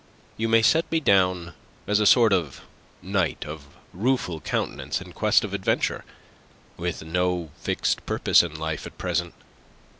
"You may set me down as a sort of knight of rueful countenance in quest of adventure, with no fixed purpose in life at present.